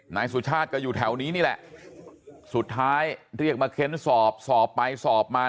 นายสุชาติก็อยู่แถวนี้นี่แหละสุดท้ายเรียกมาเค้นสอบสอบไปสอบมา